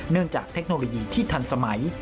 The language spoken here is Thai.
เนื่องจากเทคโนโลยีที่ทันสมัย